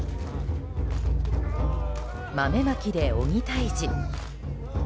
豆まきで鬼退治。